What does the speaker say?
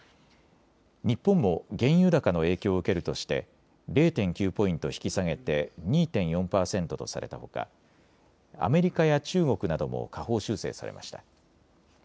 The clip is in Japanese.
日本も原油高の影響を受けるとして０．９ポイント引き下げて２．４％とされたほかアメリカや中国なども下方修正されました。